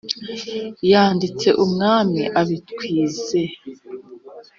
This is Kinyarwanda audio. yanditse umwami abit wize,